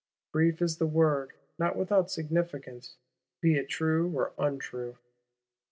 Brief is the word; not without significance, be it true or untrue!